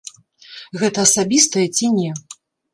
Гэта асабістая ці не?